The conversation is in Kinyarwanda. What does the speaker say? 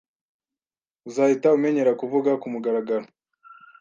Uzahita umenyera kuvuga kumugaragaro. )